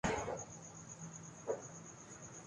کاش تمام پاکستانی اس کو سیرس لیے